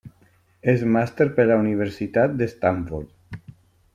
És màster per la Universitat de Stanford.